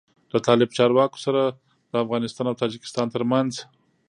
له طالب چارواکو سره د افغانستان او تاجکستان تر منځ